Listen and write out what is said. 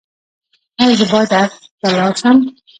ایا زه باید ارګ ته لاړ شم؟